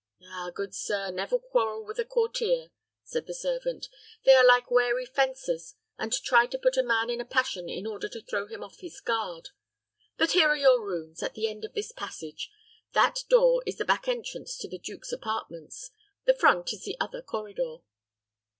"Ah, good sir, never quarrel with a courtier," said the servant. "They are like wary fencers, and try to put a man in a passion in order to throw him off his guard. But here are your rooms, at the end of this passage. That door is the back entrance to the duke's apartments. The front is on the other corridor."